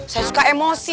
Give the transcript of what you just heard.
saya suka emosi